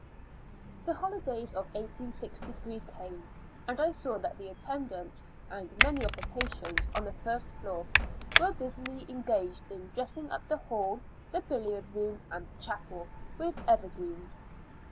The holidays of 1863 came, and I saw that the attendants, and many of the pa tients of the first floor, were busily engag ed in dressing up the hall, the billiard room and the chape>, with evergreens.